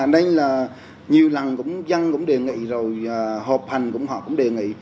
nên là nhiều lần cũng dân cũng đề nghị rồi hợp hành cũng họp cũng đề nghị